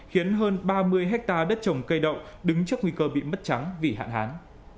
khiến hơn ba mươi hectare đất trồng cây đậu đứng trước nguy cơ bị mất trắng vì hạn hán